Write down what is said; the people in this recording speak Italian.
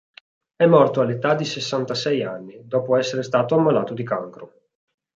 È morto all'età di sessantasei anni, dopo essere stato ammalato di cancro.